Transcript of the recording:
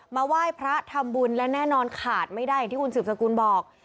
มาไหว้พระทำบุญและแน่นอนขาดไม่ได้อย่างที่คุณสืบสกุลบอก